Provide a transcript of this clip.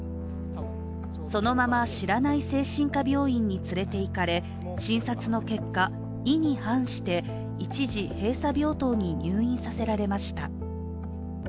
そのまま知らない精神科病院に連れていかれ、診察の結果、意に反して一時、閉鎖病棟に入院させられました。